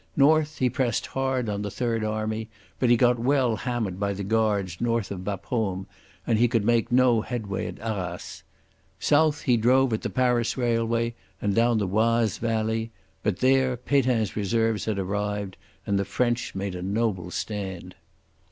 North he pressed hard on the Third Army, but he got well hammered by the Guards north of Bapaume and he could make no headway at Arras. South he drove at the Paris railway and down the Oise valley, but there Pétain's reserves had arrived, and the French made a noble stand.